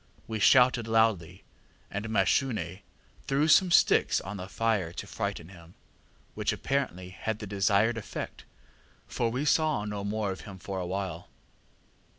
We shouted loudly, and Mashune threw some sticks on the fire to frighten him, which apparently had the desired effect, for we saw no more of him for a while.